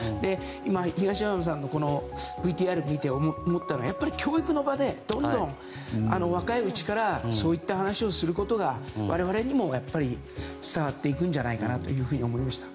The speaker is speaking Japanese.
今、東山さんのＶＴＲを見て思ったのはやっぱり教育の場でどんどん若いうちからそういった話をすることが我々にも伝わっていくんじゃないかと思いました。